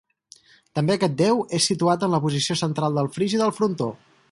També aquest déu és situat en la posició central del fris i del frontó.